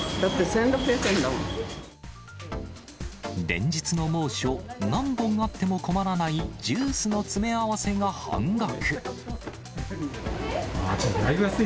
連日の猛暑、何本あっても困らないジュースの詰め合わせが半額。